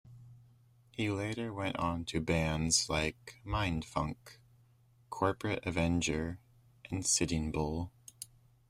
He later went on to bands like Mind Funk, Corporate Avenger and Sitting Bull.